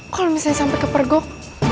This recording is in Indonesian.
kalo misalnya sampe ke pergok